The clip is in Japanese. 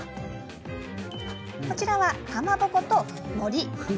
こちらはかまぼことのり。